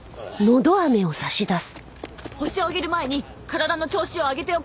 ホシを挙げる前に体の調子を上げておく。